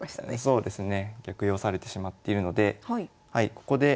そうですね。